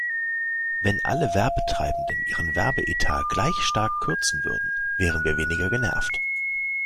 Wenn alle Werbetreibenden ihren Werbeetat gleich stark kürzen würden, wären wir weniger genervt.